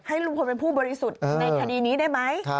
ลุงพลเป็นผู้บริสุทธิ์ในคดีนี้ได้ไหม